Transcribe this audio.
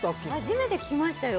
初めて聞きましたよ